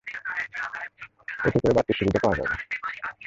এতে করে বাড়তি সুবিধা পাওয়া যাবে!